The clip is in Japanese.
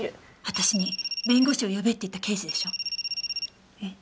私に弁護士を呼べって言った刑事でしょ？え？